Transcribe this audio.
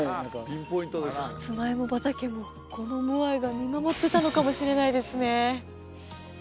サツマイモ畑もこのモアイが見守ってたのかもしれないですね